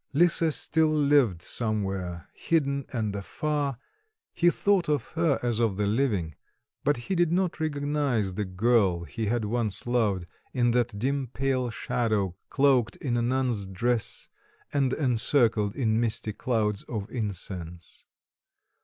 Lisa still lived somewhere, hidden and afar; he thought of her as of the living, but he did not recognize the girl he had once loved in that dim pale shadow, cloaked in a nun's dress and encircled in misty clouds of incense.